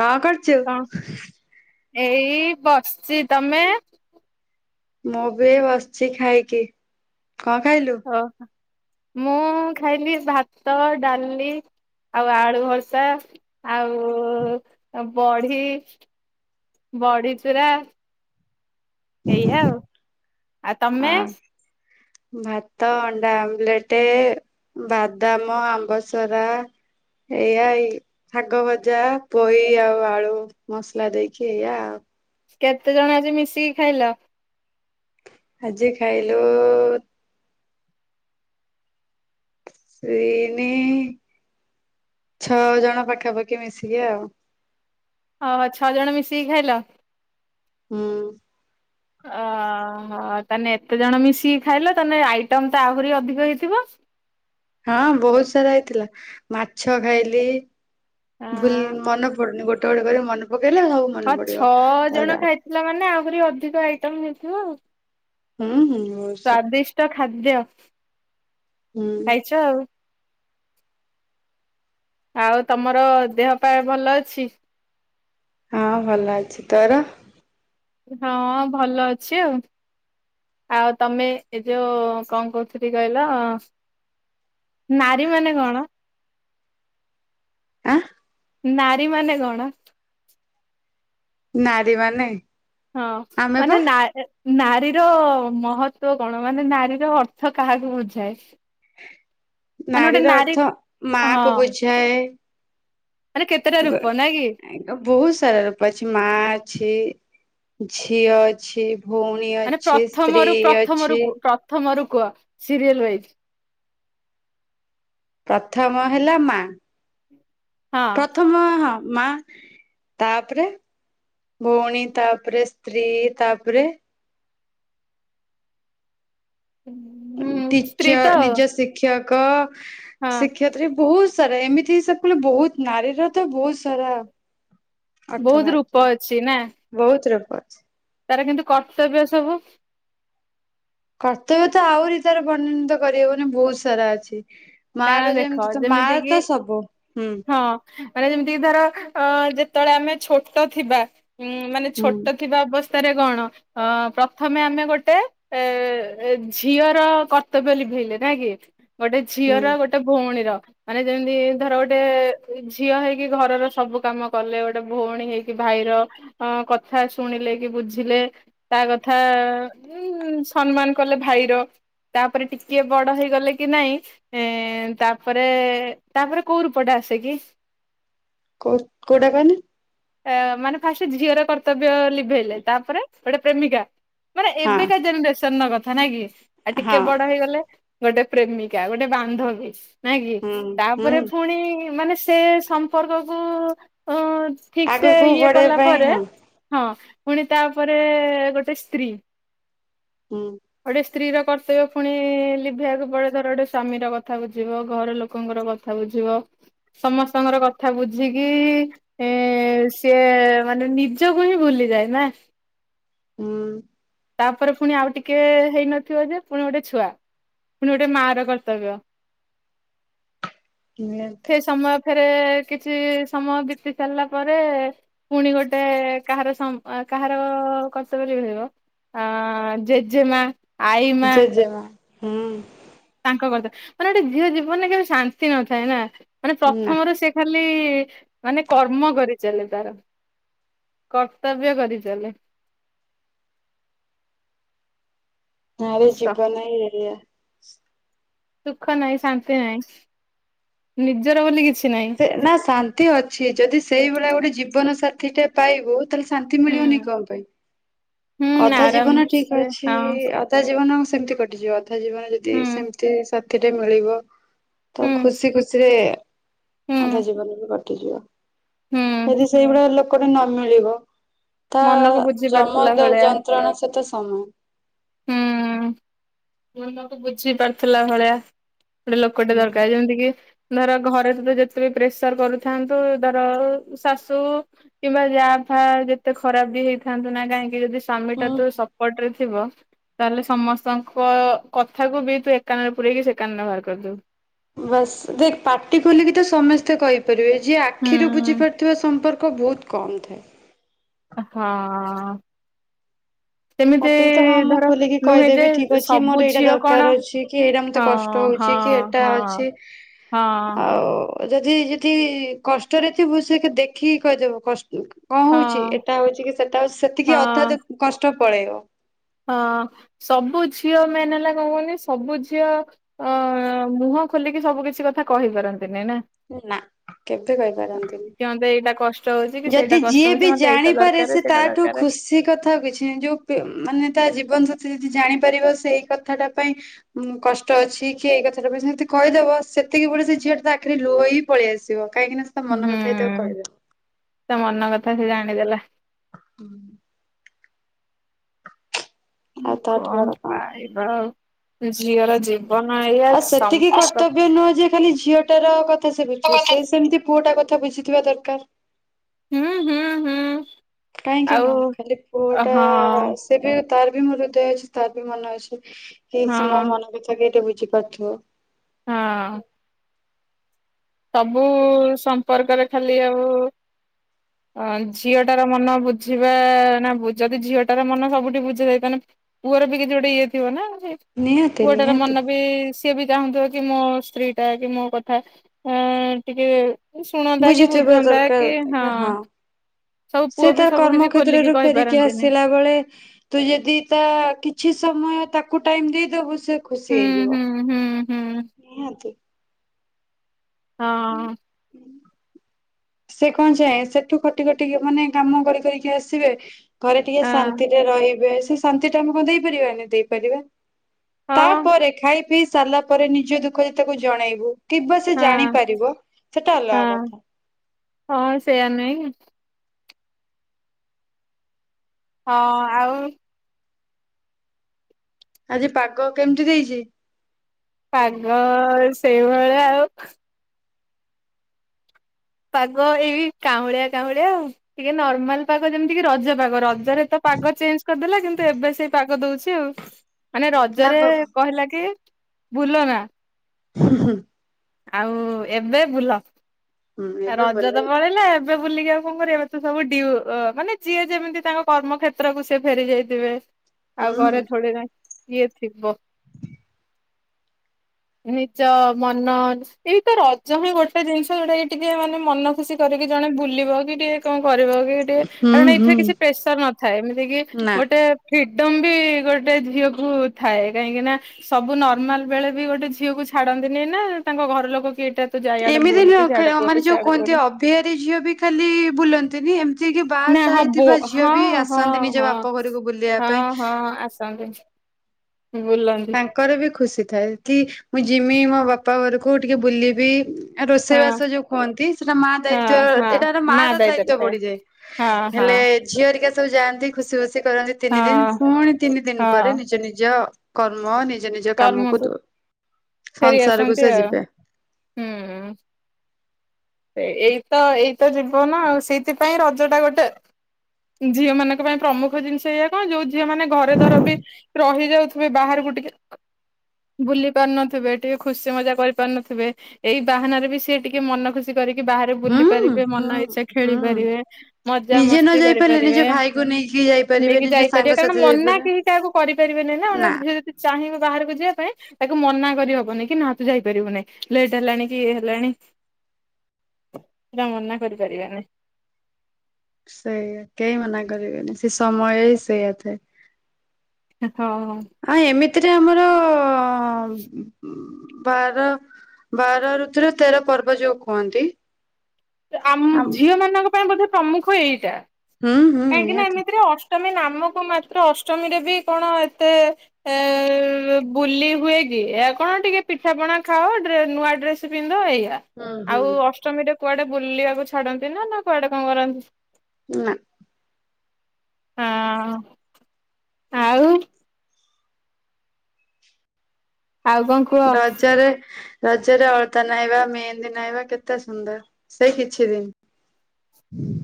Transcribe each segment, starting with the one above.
କଁ କରୁଚୁ। ଏଇ-ଇ ବସିଚି, ତମେ? ମୁଁ ବି ଏଇ ବସିଚି ଖାଇକି। କଁ ଖାଇଲୁ? ମୁଁ-ଉ ଖାଇଲି ଭାତ ଡାଲି ଆଉ ଆଳୁ ଭର୍ତ୍ତା ଆଉ-ଉ ବଢି, ବଢି ଚୁରା। ଏଇଆ ଆଉ, ଆଉ ଆ ତମେ? ଭାତ, ଅଣ୍ଡା ଆମ୍ବ୍ଲେଟେ-ଏ, ବାଦାମ, ଆମ୍ବସରା ଏଇଆଇ ଶାଗ ଭଜା, ପୋଇ ଆଉ ଆଳୁ ମସଲା ଦେଇକି ଏଇଆ ଆଉ। କେତେ ଜଣ ଆଜି ମିଶିକି ଖାଇଲ? ଆଜି ଖାଇଲୁ-ଉ ତିନି-ଇ ଛଅ ଜଣ ପାଖାପାଖି ମିଶିକି ଆଉ। ଅହୋ ଛଅ ଜଣ ମିଶିକି ଖାଇଲ। ହୁଁ। ଅ-ଅ-ହୋ ତାହେନେ ଏତେଜଣ ମିଶିକି ଖାଇଲ ତାନେ ଆଇଟମ ତ ଆହୁରି ଅଧିକ ହେଇଥିବ। ହଁ ବହୁତ ସାରା ହେଇଥିଲା, ମାଛ ଖାଇଲି-ଇ ଭୁଲ୍ ମନେ ପଡୁନି ଗୋଟ୍ [unintelligible] ମନ ହଁ ଛଅ-ଅ ଜଣ ଖାଇଥିଲ ମାନେ ଆହୁରି ଅଧିକ ଆଇଟମ ହେଇ ହୁଁ। ହୁଁ ହୁଁ। ବହୁତ ସାରା ସ୍ଵାଦିଷ୍ଟ ଖାଦ୍ୟ। ହୁଁ। ଖାଇଚ ଆଉ। ଆଉ ତମର-ଅ ଦେହ ପା ଭଲ ଅଛି? ହଁ ଭଲ ଅଛି, ତୋର? ହଁ-ଅ ଭଲ ଅଛି ଆଉ, ଆଉ ତମେ ଏ ଯୋଉ କଁ କହୁଥିଲି କହିଲ ନାରୀ ମାନେ କଣ? ଆଁ। ନାରୀ ମାନେ କଣ? ନାରୀମାନେ। ହଁ, ମାନେ ନା-ଏ ନାରୀର ମହତ୍ତ୍ୱ କଣ, ମାନେ ନାରୀର ଅର୍ଥ କାହାକୁ ବୁଝାଏ? ମାନେ ଗୋଟେ ନାରୀର ନାରୀ ଅର୍ଥ ମା ହଁ କୁ ବୁଝାଏ। ମାନେ କେତେଟା ଗୋ ରୂପ ନାଇଁ କି? ନାଇଁତ ବହୁତ ସାରା ରୂପ ଅଛି, ମାଆ ଅଛି ଝିଅ ଅଛି। ଭଉଣୀ ମାନେ ଅଛି ସ୍ତ୍ରୀ ପ୍ରଥମରୁ ଅଛି ପ୍ରଥମରୁ-କୁ ପ୍ରଥମରୁକ୍ କୁଅ ସିରିଏଲ ୱାଇଜ ପ୍ରଥମ ହେଲା ମା। ହଁ। ପ୍ରଥମ ହଁ। ମା ତାପରେ, ଭଉଣୀ ତାପରେ, ସ୍ତ୍ରୀ ତାପରେ, ହୁଁ ସ୍ତ୍ରୀ ଟିଚର ତ ଆଉ ନିଜ ଶିକ୍ଷା କ ହଁ ଶିକ୍ଷୟତ୍ରୀ ବହୁତ ସାର ଏମିତି ସବୁ କହିଲେ ବହୁତ ନାରୀର ତ ବହୁତ ସାରା ଅର୍ଥ ବହୁତ ବାହାରିଯିବ ରୂପ ଅଛି ନା। ବହୁତ ରୂପ ଅଛି। ତାର କିନ୍ତୁ କର୍ତ୍ତବ୍ୟ ସବୁ କର୍ତ୍ତବ୍ୟ ତ ଆହୁରି ତାର ବର୍ଣ୍ଣନିତ କରିହବନି ବହୁତ ସାରା ଅଛି। ମା ର କାରଣ ଦେଖ ତ ମା ଯେମିତି କିି ତ ସବୁ ହୁଁ ହଁ ମାନେ ଯେମିତିକି ଧର ଯେତେବେଳେ ଆମେ ଛୋଟ ଥିବା ଉଁ ମାନେ ହୁଁ ଛୋଟ ଥିବା ଅବସ୍ଥା ରେ କଣ ଅ ପ୍ରଥମେ ଆମେ ଗୋଟେ ଏ ଝିଅର କର୍ତ୍ତବ୍ୟ ଲିଭେଇଲେ, ନାଇଁ କି ଗୋଟେ ହୁଁ ଝିଅର ଗୋଟେ ଭଉଣୀର ମାନେ ଯେମିତି ଧର ଗୋଟେ ଝିଅ ହେଇକି ଘରର ସବୁ କାମ କଲେ, ଗୋଟେ ଭଉଣୀ ହେଇକି ଭାଇର କଥା ଶୁଣିଲେ କି ବୁଝିଲେ ତା କଥା, ଉ ସମ୍ମାନ କଲେ ଭାଇର ତାପରେ ଟିକେ ବଡ ହେଇଗଲେ କି ନାଇଁ ଏ ତାପରେ, ତାପରେ କୋଉ ରୂପ ଟେ ଆସେ କିି? କ କୋଉଟା କହିଲେ? ଏ ମାନେ ଫାଷ୍ଟ ଝିଅରେ କର୍ତ୍ତ ବ୍ୟା ଲିଭେଇଲେ ତାପରେ ଗୋଟେ ପ୍ରେମିକା ମାନେ ହଁ ଏବେକା ଜେନେରେସନ ନ କଥା କଥା ନାହିଁ କି ଆଉ ଟିକେ ହଁ ବଡ ହେଇଗଲେ ଗୋଟେ ପ୍ରେମିକା ଗୋଟେ ବାନ୍ଧବୀ ନାଇଁ କି ହୁଁ ହୁଁ ତାପରେ ପୁଣି ମାନେ ସେ ସମ୍ପର୍କ କୁ ଉଁୁ ଠିକ ସେ ଆଗକୁ ଇଏ ବଢେଇବା କଲା ପାଇଁ ପରେ ହଁ ହଁ। ପୁଣି ତାପରେ ଗୋଟେ ସ୍ତ୍ରୀ। ହୁଁ। ଗୋଟେ ସ୍ତ୍ରୀ ର କର୍ତ୍ତବ୍ୟ ପୁଣି ଲିଭିବାକୁ ପଡେ ଧର ଗୋଟେ ସ୍ଵାମୀ ର କଥା ବୁଝିବ ଘର ଲୋକଙ୍କର କଥା ବୁଝିବ ସମସ୍ତଙ୍କର କଥା ବୁଝିକି ସିଏ ମାନେ ନିଜକୁ ହିଁ ଭୁଲିଯାଏ ନା। ହୁଁ। ତାପରେ ପୁଣି ଆଉ ଟିକେ ହେଇନଥିବ ଯେ ପୁଣି ଗୋଟେ ଛୁଆ ପୁଣି ଗୋଟେ ମା ର କର୍ତ୍ତବ୍ୟ ନିହାତି ସେ ସମୟ ଫେରେ କିଛି ସମୟ ବିତି ସାରିଲା ପରେ ପୁଣି ଗୋଟେ କାହାର ସ କାହାର କର୍ତ୍ତବ୍ୟ ଲିଭେଇବ। ହଁ ଜେଜେମା ଆଈ ମା ଜେଜେ ମା। ହୁଁ ଉ। ତାଙ୍କ କଥା ମାନେ ଗୋଟେ ଝିଅ ଜୀବନରେ କେବେ ଶାନ୍ତି ନଥାଏ ନା। ମାନେ ନା ପ୍ରଥମରୁ ସେ ଖା ମାନେ ମାନେ କର୍ମ କରିଚାଲେ ତାର, କର୍ତ୍ତବ୍ୟ କରିଚାଲେ। ନାରୀ ଜୀବନ ହିଁ ଏଇଆ। ସୁଖ ନାହିଁ, ଶାନ୍ତି ନାହିଁ, ନିଜର ବୋଲି କିଛି ନାହିଁ ସେ ନା ଶାନ୍ତି ଅଛି, ଯଦି ସେଇଭଳିଆ ଗୋଟେ ଜୀବନ ସାଥ୍ ଟିକେ ପାଇବୁ। ତାହେଲେ ଶାନ୍ତି ମିଳିବନି ହୁଁ। କଣ ପାଇଁ। ହୁଁ ଅଧା ଆରାମ ଜୀବନ ଠିକ ସେ ଅଛି। ହଁ ଅଧା ଜୀବନ। ସେମିତି କଟିଯିବ। ଅଧା ଜୀବନ ଯଦି ହୁଁ ସେମତି ସା କେତେ ମିଳିବ? ହୁଁ ତ ଖୁସି ଖୁସିରେ ହୁଁ ଅଧେ ଜୀବନ ବି କଟ୍ କେହିବ। ହୁଁ ଯଦି ସେଇଭଳିଆ ଲୋ ଯଦି ନ ମିଳିବ। ତ ମନକୁ ବୁଝି ଜମା ପାରୁଥିଲା ଭଳିଆ ଯନ୍ତ୍ରଣା ସହିତ ସମାନ। ଆମକୁ ବୁଝି ପାରୁଥିଲା ଭଳିଆ। ଗୋଟେ ଲୋକଟେ ହୁଁ ଦରକାର ଯେମିତି କି? ଧର ଘରେ ତତେ ଯେତେ ବି ପ୍ରେସର କରୁଥାନ୍ତୁ। ଧର ଶାଶୁ କିମ୍ବା ଯା ଫା ଯେତେ ଖରାପ ବି ହେଇଥାନ୍ତୁ ନା କାହିଁକି ଯଦି ସ୍ ସ୍ବାମୀଟା ତୋ ହୁଁ ସପୋର୍ଟରେ ଥି ଥିବ ତାହେଲେ ସମସ୍ତଙ୍କୁ ତ କଥାକୁ ବି ତୁ ଏକ କାନରେ ପୁରେଇକି, ସେ କାନରେ ବାହାର କରିଦବୁ। ବାସ ଦେଖ ପାଟି ଖୋଲିକି ତ ସମସ୍ତେ କହିବେ। କରିବେ ଯିଏ ଆଖିରୁ ବୁଝି ପାରୁଥିବା ସମ୍ପ ବହୁତ କମ ଥାଏ। ହଁ ଅ। ପାଟିରେ ତ ହଁ ମୁଁ ଖୋଲିକି ଯେ କହିଦେବି ଠିକ ଅଛି। ସବୁ ମୋର ଏଇଟା ଝିଅ ଦରକାର କଣ ଅଛି। କି ଏଇଟା ମତେ ହଁ କଷ୍ଟ ହଁ ହଉଛି। କି ଏଇଟା ହଁ ଅଛି ହଁ ଆଉ ଯଦି ଯଦି କଷ୍ଟରେଥିବୁ ସେ ଦେଖିକି କହିଦେବ କଷ୍ କଣ ହଁ ହଉଛି, ଏଟା ହଉଛି କି ସେଟା ହ ସେତିକି ହଁ। ଅଧା କଷ୍ଟ। ପଳେଇବ ହଁ ସବୁ ଝିଅ ମେନ୍ ହେଲା କଣ କହୁନି ସବୁ ଝିଅ ଅ ମୁହଁ ଖୋଲିକି ସବୁ କିଛି କଥା କହିପାରନ୍ତି ନା ନା କେବେ କହିପାରନ୍ତିନି। କଣ ପାଇଁ ଏଇଟା କଷ୍ଟ ହଉଛି କି ଯଦି ସେଇଟା କଷ୍ଟ ଯିଏ ହଉଛି ବି ମତେ ଏଇଟା ଜାଣିପାରେ ଦରକାର ସେ ସେଇଟା ତାଠୁ ଦରକାର ଖୁସି କଥାଆଉ କିଛି ନାହିଁ ଯୋଉ ମାନେ ତା ଜୀବନ ସାଥି ଯଦି ଜାଣିପାରିବ ସେଇ କଥାଟା ପାଇଁ କଷ୍ଟ ଅଛି କି ଏଇ କଥାଟା ପାଇଁ ସେ ନିହାତି କହିଦବ ସେତିକି ବୋଳେ ସେ ଝିଅ ଟା ତା ଆଖରେ ଲୁହ ହିଁ ପଳେଇଆସିବ କାହିଁକି ନା ମନ କଥା ହେଇ ତାକୁ ହୁଁ କହିଦେବ ତା ମନ କଥା ସେ ଜାଣିଦେଲା ହୁଁ ଆଉ ମୁଁ ତାଠୁ ବଡ କଣ ପାଇବା ଆଉ ଝିଅ ର ଜେ ଆଉ ସେତିକି କର୍ତ୍ତବ୍ୟ ନୁହଁ ଯେ ଖାଲି ଝିଅଟାର କଥା ସେ ବୁଝିବ ସେ ସେମିତି ପୁଅଟା କଥା କଥା ବୁଝିଥିବା ଦରକାର ହୁଁ ହୁଁ ହୁଁ କାହିଁକି ଆଉ ନୁହଁ ଖାଲି ପୁଅ ଟା ହଁ ସେ ବି ତାର ବି ମୋ ହୃଦୟ ଅଛି ତାର ବି ମନ ଅଛି ଠିକ ହଁ ସେମାନେ ମନ କଥା ଟିକେ ବୁଝ ବୁଝିପାରୁଥିବ ହଁ ସବୁ ସମ୍ପର୍କରେ ଖାଲି ଆଉ ଅ ଝିଅଟାର ମନ ବୁଝିବା ନା ଯଦି ଝିଅଟାର ମନ ସବୁଠି ବୁଝିଯାଇଥାନ୍ତା ତାହେଲେ ପୁଅର ବି କିଛି ଗୋଟେ ଇଏ ଥିବ ନା। ନିହାତି ପୁଅଟାର ନିହାତି ମନ ବି ସିଏ ବି ଚାହୁଁଥିବ କି ମୋ ସ୍ତ୍ରୀ ଟା କି ମୋ କଥା ହ ଟିକେ ଶୁଣନ୍ତା କି ବୁଝିଥିବା ବୁଝନ୍ତା ଦରକାର କି ଆଜ୍ଞା ହଁ ସବୁ ସେ ପୁଅ ବି ତାର ସବୁ କର୍ମ କିଛି ଖୋଲିକି କ୍ଷେତ୍ରରୁ ଫେରିକି କହିପାରନ୍ତିନି ଆସିଲା ବେଳେ ତୁ ଯଦି ତା କିଛି ସମୟ ତାକୁ ଟାଇମ ଦେଇଦବୁ ସେ ଖୁସି ହୁଁ ହେଇଯିବ ହୁଁ ହୁଁ ହୁଁ ନିହାତି ହଁ ସେ କଣ ଚାହଁ ସେଠୁ ଖଟି ଖଟିି ମାନେ କାମ କରି କରିକି ଆସିବେ ଘରେ ଟିକେ ହଁ ଶାନ୍ତିରେ ରହିବେ ସେ ଶାନ୍ତି ଟା ଆମେ କଣ ଦେଇପାରିବାନି ଦେଇପାରିବା ହଁ ତାପରେ ଖାଇ ପିଇ ସାରିଲା ପରେ ନିଜ ଦୁଃଖ ଯେ ତାକୁ ଜଣେଇବୁ କିବା ସେ ହଁ ଜାଣିପାରିବ ସେଟା ଅଲଗା ହଁ କଥା। ହଁ ସେଇୟା ନୁହେଁ କି। ହଁ ଆଉ ଆଜି ପାଗ କେମିତି ଦେଇଛି? ପାଗ ସେଇଭଳିଆ ଆଉ ପାଗ ଏଇ କାଉଁଳିଆ କାଉଁଳିଆ ଆଉ ଟିକେ ନର୍ମାଲ ପାଗ ଯେମିତି କି ରଜ ପାଗ ରଜ ଜରେ ତ ପାଗ ଚେଞ୍ଜ କରିଦେଲା କିନ୍ତୁ ଏବେ ସେଇ ପାଗ ଦଉଛି [unintelligible] ମାନେ ଲାଭ ରଜରେ କଣ କହିଲା କି ଭୁଲ ନା ହୁଁ ହୁଁ ଆଉ ଏବେ ବୁଲ। ହୁଁ ଆ ଏବେ ରଜ ଭଲ ତ ପଳେଇିଲା ଏବେ ବୁଲିକି ଆଉ କଣ କରିବା ଏବେତ ସବୁ ଡିଉ ମାନେ ଯିଏ ଯେମିତି ତାଙ୍କ କର୍ମକ୍ଷେତ୍ରକୁ ସିଏ ଫେରି ଯାଇଥିବେ। ଆଉ ହୁଁ ଘରେ ଥୋଡି ନାାଇଁ ଇଏ ଥିବ। ନିଜ ମନ ଏଇତ ରଜ ହିଁ ଗୋଟେ ଜିନିଷ ଯୋଉଟା ଏଇ ଟିକେ ମାନେ ମନ ଖୁସି କରିକି ଜଣେ ବୁଲିବ କି ଟିକେ କନ୍ କରିବ କି ଟିକେ ହୁଁ କାରଣ ଏଇଥିରେ ହୁଁ କିଛି ପ୍ରେସର ନଥାଏ ଏମିତି କି ନା ଗୋଟେ ଫ୍ରିଡମ୍ ବି ଗୋଟେ ଝିଅକୁୁ ଥାଏ କାହିଁକି ନା ସବୁ ନର୍ମାଲ୍ ବେଳେ ବି ଗୋଟେ ଝିଅକୁ ଛାଡନ୍ତିନି ନା ତାଙ୍କ ଘର ଲୋକ କି ଏଇଟା ତ ଯାଇଆଡେ ଏମିତି ବୁଲୁ ନୁହଁ କି ସେଆଡେ ଖା- ମାନେ ଯୋଉ କୁହନ୍ତି ଅଭିହାରୀ ଝିଅ ବି ଖାଲି ବୁଲନ୍ତିନି ଏମତି ନା ହବ ହଁ ହଁ ଆସନ୍ତି ନିଜ ହଁ ବାପ ଘରକୁ ବୁଲିବା ପାଇଁ ହଁ ହଁ ଆସନ୍ତି। ବୁଲନ୍ତି ତାଙ୍କର ବି ଖୁସି ଥାଏ କି ମୁଁଇଁ ଯିମି ମି ମୋ ବାପା ଘରକୁ ଟିକେ ବୁଲିବି। ଆଉ ହଁ ରୋଷେଇବାସ ଯୋଉ କୁହନ୍ତି ସେଟା ମା ହଁ ଦାୟିତ୍ଵ ହଁ ଏଟାର ମା ର ଦାୟିତ୍ୱରେ ଦାୟିତ୍ଵ ଥାଏ ବଢିଯାଏ, ହଁ ହଁ ହେଲେ ଝିଅରିକା ସେ ସବୁଜାନ୍ତି ଖୁସି ଭୁସି କରନ୍ତି ହଁ ତିନି ଦିନ ଫୁଣି ତିନି ଦିନ ପରେ ହଁ ନିଜ ନିଜ କର୍ମ ନି ନିଜ ନିଜ କାମକୁ କର୍ମକୁ ଫେରି ସଂସାରକୁ ଆସନ୍ତି ସେ ଆଉ ଯିବେ। ହୁଁ। ସେ ଏଇତ ଏଇ ତ ଜୀବନ ଆଉ ସେଇଥିପାଇଁ ର ତ ଏଟା ଗୋଟେ ଝିଅ ମାନଙ୍କ ପାଇଁ ପ୍ରମୁଖ ଜିନିଷ ଏଇଆ କଣ ଯୋଉ ଝିଅ ମାନେ ଘରେ ଧର ବି ରହି ଯାଉଥିବେ ବାହାରକୁ ଟିକେ ବୁଲି ପାରୁନଥିବେ ଟିକେ ଖୁସି ମଜା କରି ପାରୁନଥିବେ ଏଇ ବାହାନାରେ ବି ସିଏ ଟିକେ ମନ ଖୁସି କରିକି ବାହାରେ ହୁଁ ବୁଲି ପାରିବେ ହୁଁ ମନ ଇଛା ଖେଳି ହୁଁ ପାରିବେ, ମଜା ନିଜେ ନ ମସ୍ତି ଯାଇ ପାରିଲେ ନିଜ କରିପାରିବେ ଭାଇକୁ ନେଇକି ଯାଇପାରିବେ ନେଇକି ନିଜ ଯାଇପାରିବେ କାରଣ ସାଙ୍ଗସାଥି ମନା ଯାଇପାରିବେ କେହି କାହାକୁ କରିପାରିବେନି ନା ମାନେ ଯଦି ଚାହିଁବେ ବାହାରକୁ ଯିବା ପାଇଁ ତାକୁ ମନା କରିହବନି କି ନାହା ତୁ ଯାଇପାରିବୁ ନାହିଁ ଲେଟ୍ ହେଲାଣି କି ଇଏ ହେଲାଣି। ସେଟା ମନା କରିପାରିବାନି। ସେଇଆ କେହି ମନା କରିବେନି ସେ ସମୟ ହି ସେଇଆ ଥାଏ। ହଁ। ଏଥିରେ ଆମର ବାର ବାର ଋତୁର ତେର ପର୍ବ ଯୋଉ କୁହନ୍ତି। ଆମ ଆମ୍ ଝିଅ ମାନଙ୍କ ପାଇଁ ବୋଧେ ପ୍ରମୁଖ ଏଇଟା। ହୁଁ ହୁଁ କାହିଁକି ନା ନିହାତି ଏମିତିରେ ଅ ଅଷ୍ଟମୀ ନାମକୁ ମାତ୍ର ଅଷ୍ଟମୀରେ ବି କଣ ଏତେ ଏ ବୁଲି ହୁଏ କି କଣ ଟିକେ ପିଠାପଣା ଖାଅ ନୂଆ ଡ୍ରେସ୍ ପିନ୍ଧ ଏୟା। ହୁଁ ହୁଁ ଆଉ ଅଷ୍ଟମୀରେ। କୁଆଡେ ବୁଲିବାକୁ ଛାଡନ୍ତି ନା ନା କୁଆଡେ କଣ କରନ୍ତି। ନା। ହଁ ଆଉ। ଆଉ କଣ କୁହ। ରଜରେ ରଜରେ ଅଳତା ନାଇବା ମେହେନ୍ଦୀ ନାଇବା କେତେ ସୁନ୍ଦର ସେଇ କିଛି ଦିନ।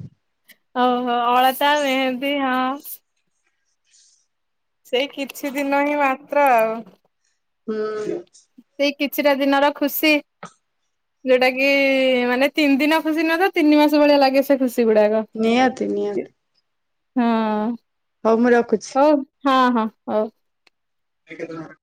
ହଉ। ହଉ ଅଳତା ମେହେନ୍ଦୀ ହଁ। ଛି। ସେଇ କିଛି ଦିନ ହିଁ ମାତ୍ର ଆଉ। ହୁଁ। ସେଇ କିଛିଟା ଦିନର ଖୁସି ଯୋଉଟା କି ମାନେ ତିନି ଦିନ ଖୁସି ନ ଥାଉ ତିନି ମାସ ଭଳିଆ ଲାଗେ ସେ ଖୁସି। ଗୁଡାକ। ନିହାତି ନିହାତି। ହଁ। ହଉ ମୁଁ ରଖୁଛି। ହଉ ହଁ ହଁ ହଉ। ଦେ କେତେ ଟଙ୍କା ର